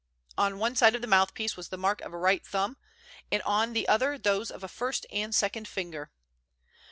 On one side of the mouthpiece was the mark of a right thumb, and on the other those of a first and second finger.